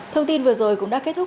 thông tin vừa rồi cũng đã kết thúc